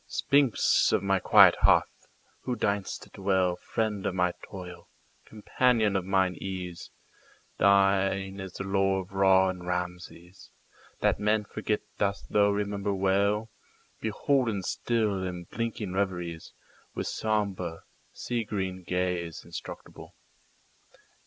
Sphinx of my quiet hearth! who deign'st to dwellFriend of my toil, companion of mine ease, Thine is the lore of Ra and Rameses; That men forget dost thou remember well, Beholden still in blinking reveriesWith sombre, sea green gaze inscrutable.